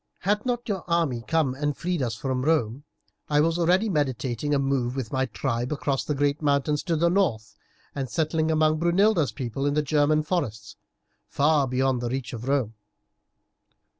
"Had not your army come and freed us from Rome I was already meditating moving with my tribe across the great mountains to the north and settling among Brunilda's people in the German forests, far beyond the reach of Rome.